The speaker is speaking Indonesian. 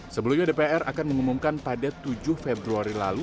sebelumnya dpr akan mengumumkan pada tujuh februari lalu